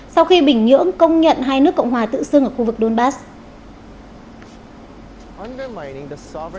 sau khi bình nhưỡng công nhận hai nước cộng hòa tự xưng ở khu vực donbass